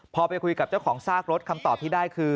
พอไปคุยกับเจ้าของซากรถคำตอบที่ได้คือ